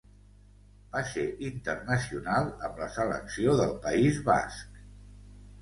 Va ser internacional amb la selecció del País Basc.